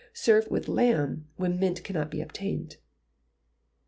Serve with lamb when mint cannot be obtained.